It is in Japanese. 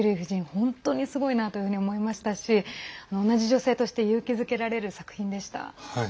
本当にすごいなというふうに思いましたし同じ女性として勇気づけられる作品でした。